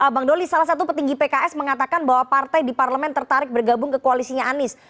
bang doli salah satu petinggi pks mengatakan bahwa partai di parlemen tertarik bergabung ke koalisinya anies